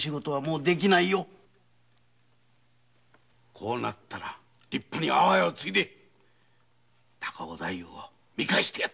こうなれば立派に阿波屋を継いで高尾太夫を見返してやるんだ。